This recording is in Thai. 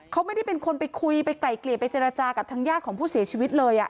เขาไม่ได้เป็นคนไปคุยไปไกลเกลี่ยไปเจรจากับทางญาติของผู้เสียชีวิตเลย